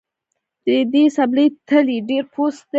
د دې څپلۍ تلی ډېر پوست دی